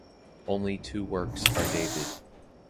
Only two works are dated.